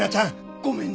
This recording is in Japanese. ごめんな